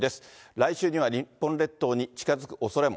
来週には日本列島に近づくおそれも。